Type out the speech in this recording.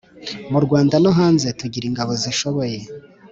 Murwanda no hanze tugira ingabo zishoboye